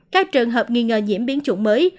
các trường hợp nghi ngờ nhiễm biến chủng mới